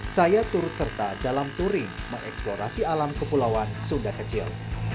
saya turut serta dalam touring mengeksplorasi alam kepulauan sunda kecil